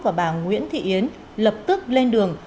và bà nguyễn thị yến lập tức lên đường